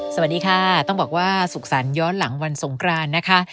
สวัสดีค่ะต้องบอกว่าสุขสรรคย้อนหลังวันสงครานนะคะ